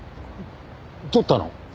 取ったの？